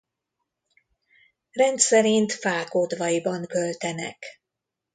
Rendszerint fák odvaiban költenek.